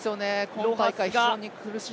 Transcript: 今大会、非常に苦しい。